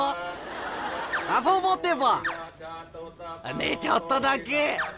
ねえちょっとだけ。